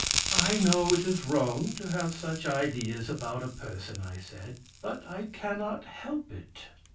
"I know it is wrong to have such ideas about a person," I said, "but I cannot help it."